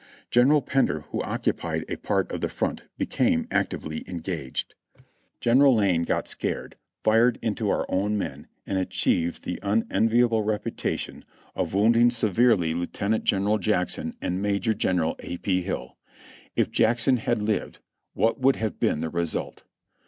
General Pender, who occupied a part of the front, became actively engaged. General Lane got scared, fired into our own men, and achieved the unenviable reputation of wounding severely Lieu 360 JOHNNY REB AND BILI^Y YANK tenant General Jackson and Major General A. P. Hill. If Jackson had lived, what would have been the result